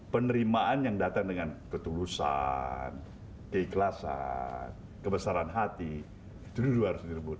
penerimaan yang datang dengan ketulusan keikhlasan kebesaran hati itu juga harus direbut